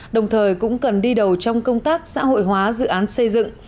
đồng thời cũng cần đi đầu trong công tác xã hội hóa dự án xây dựng